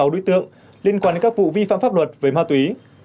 một trăm linh sáu đối tượng liên quan đến các vụ vi phạm pháp luật với ma túy